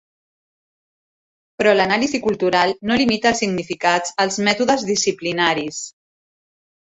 Però l'anàlisi cultural no limita els significats als mètodes disciplinaris.